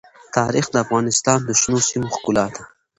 تاریخ د افغانستان د شنو سیمو ښکلا ده.